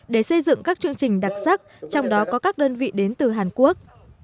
để xây dựng các chương trình đặc sắc trong đó có các đơn vị đến từ hàn quốc